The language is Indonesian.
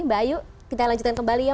mbak ayu kita lanjutkan kembali ya